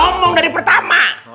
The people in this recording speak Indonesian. ngomong dari pertama